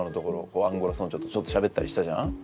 アンゴラ村長とちょっとしゃべったりしたじゃん？